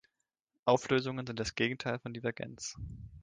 Auflösungen sind das Gegenteil von Divergenz.